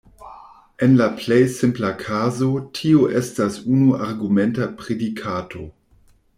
En la plej simpla kazo, tio estas unu-argumenta predikato.